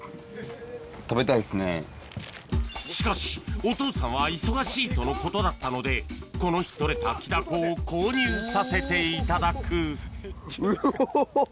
しかしお父さんは忙しいとのことだったのでこの日取れたキダコを購入させていただくうお。